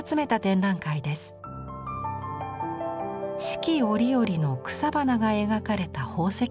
四季折々の草花が描かれた宝石箪笥。